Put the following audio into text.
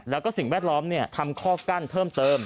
แล้วก็สิ่งแวดล้อมทำข้อกั้นเพิ่มเติม